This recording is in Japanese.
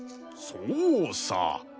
そうさ！